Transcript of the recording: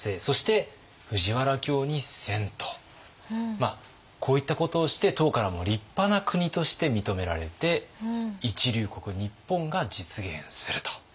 まあこういったことをして唐からも立派な国として認められて一流国日本が実現すると。